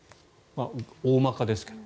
大まかですけど。